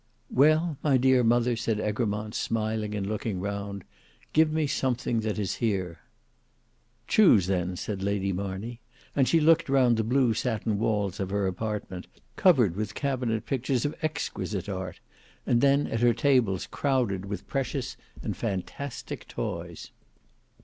"Well my dear mother," said Egremont smiling and looking round, "give me something that is here." "Choose then," said Lady Marney, and she looked round the blue satin walls of her apartment, covered with cabinet pictures of exquisite art, and then at her tables crowded with precious and fantastic toys.